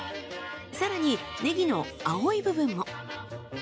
更にねぎの青い部分も。